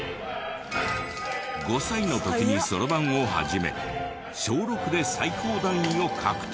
５歳の時にそろばんを始め小６で最高段位を獲得。